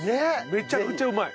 めちゃくちゃうまい。